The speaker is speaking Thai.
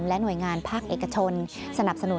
และหน่วยงานภาคเอกชน